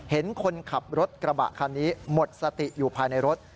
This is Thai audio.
เห็นคนขับรถกระบะคันนี้หมดสติอยู่ภายในรถ